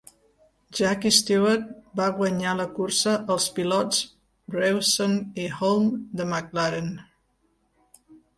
Jackie Stewart va guanyar la cursa als pilots Revson i Hulme de McLaren.